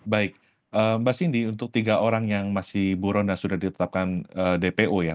baik mbak cindy untuk tiga orang yang masih buron dan sudah ditetapkan dpo ya